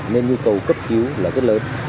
nên nhu cầu cấp cứu là rất lớn